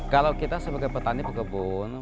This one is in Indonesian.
kalau kita sebagai petani pekebun